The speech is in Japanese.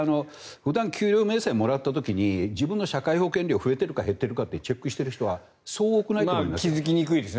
普段給料明細をもらった時に自分の社会保険料が増えてるか減ってるかチェックしている人はそう多くないと思いますよ。